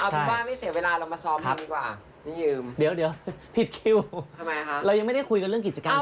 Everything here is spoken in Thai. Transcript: ไปเสียเวลาลองมาซ้อม่ะผมหยิมไปคิดว่าเราไม่ได้คุยกันเรื่องกิจกรรม